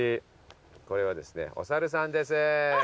これはですねお猿さんです。